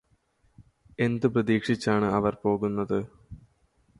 എന്ത് പ്രതീക്ഷിച്ചാണ് അവര് പോകുന്നത്